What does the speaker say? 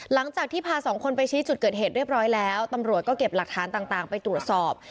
หลังจากที่พาสองคนไปชี้จุดเกิดเหตุเรียบร้อยแล้วตำรวจก็เก็บหลักฐานต่างไปตรวจสอบ